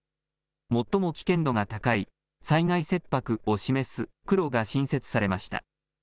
最も危険度が高い災害切迫を示す黒が新設されました。